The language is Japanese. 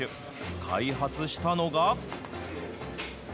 開発したのが。